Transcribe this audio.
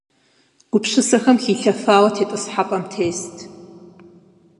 Гупсысэхэм хилъэфауэ тетӏысхьэпӏэм тест.